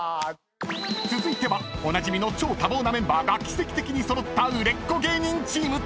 ［続いてはおなじみの超多忙なメンバーが奇跡的に揃った売れっ子芸人チーム］